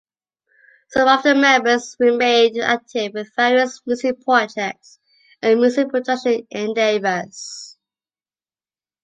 Some of the members remain active with various music projects and music production endeavors.